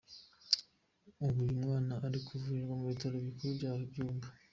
Ubu uyu mwana ari kuvurirwa mu bitaro bikuru bya Byumba.